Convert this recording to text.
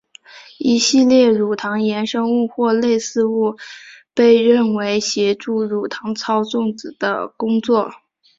一系列的乳糖衍生物或类似物被认为协助乳糖操纵子的工作。